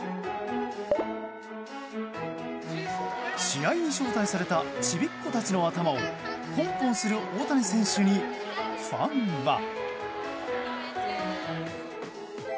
試合に招待されたちびっ子たちの頭をポンポンする大谷選手にファンは。